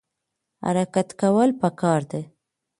حرکت کول پکار دي